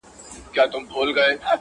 شرجلال مي ته” په خپل جمال کي کړې بدل”